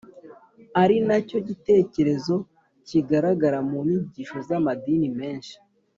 ari na cyo gitekerezo kigaragara mu nyigisho z’amadini menshi